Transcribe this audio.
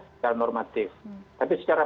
secara normatif tapi secara